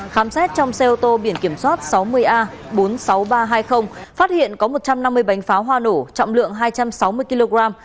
khám xét trong xe ô tô biển kiểm soát sáu mươi a bốn mươi sáu nghìn ba trăm hai mươi phát hiện có một trăm năm mươi bánh pháo hoa nổ trọng lượng hai trăm sáu mươi kg